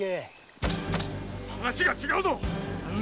話が違うぞっ！